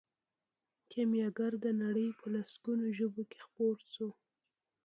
کیمیاګر د نړۍ په لسګونو ژبو کې خپور شو.